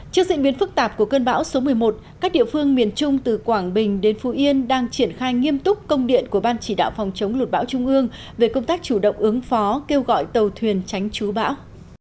trước diễn biến phức tạp của cơn bão số một mươi một các địa phương miền trung từ quảng bình đến phú yên đang triển khai nghiêm túc công điện của ban chỉ đạo phòng chống lụt bão trung ương về công tác chủ động ứng phó kêu gọi tàu thuyền tránh chú bão